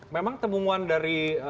memang temuan dari